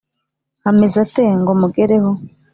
• ameze ate? ngo mugereho